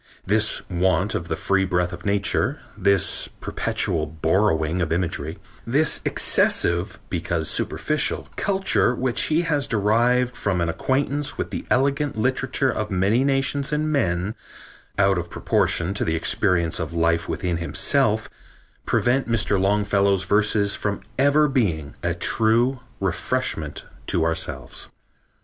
This want of the free breath of nature, this perpetual borrowing of imagery, this excessive, because superficial, culture which he has derived from an acquaintance with the elegant literature of many nations and men, out of proportion to the experience of life within himself, prevent Mr. Longfellow's verses from ever being a true refreshment to ourselves."